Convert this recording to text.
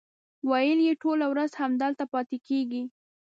ویل یې ټوله ورځ همدلته پاتې کېږي.